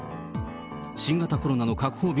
新型コロナの確保